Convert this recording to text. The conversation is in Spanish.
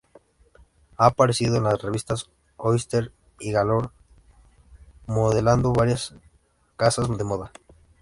Ha aparecido en las revistas "Oyster" y "Galore", modelando para varias casas de moda.